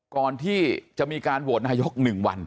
ก่อนที่จะมีการโหวตนายก๑วัน